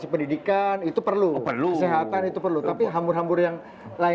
lebih sehat kita konsumsi lagi